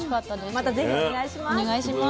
またぜひお願いします。